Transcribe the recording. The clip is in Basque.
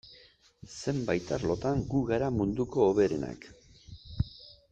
Zenbait arlotan gu gara munduko hoberenak.